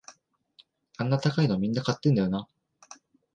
あんな高いのみんな買ってたんだよな